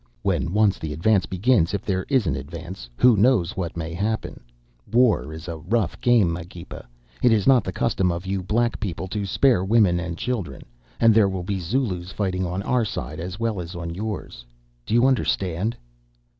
When once the advance begins, if there is an advance, who knows what may happen? War is a rough game, Magepa. It is not the custom of you black people to spare women and children; and there will be Zulus fighting on our side as well as on yours; do you understand?